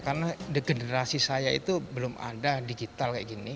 karena generasi saya itu belum ada digital kayak gini